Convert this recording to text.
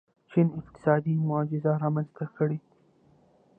چین اقتصادي معجزه رامنځته کړې.